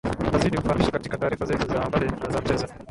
na tutazidi kukufahamisha katika taarifa zetu za habari za michezo